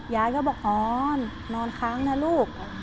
ยายก็บอกออนนอนค้างนะลูก